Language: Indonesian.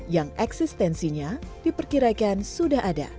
yang eksistensinya diperkirakan sudah ada